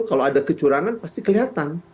kalau ada kecurangan pasti kelihatan